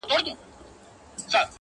o خو ځينې دودونه پاتې وي تل,